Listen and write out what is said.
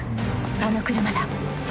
あの車だ］